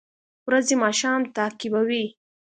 ورځې ماښام تعقیبوي